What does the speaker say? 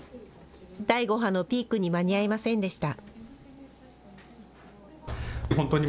第５波のピークに間に合いませんでした。